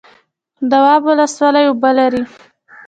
دواب ولسوالۍ اوبه لري؟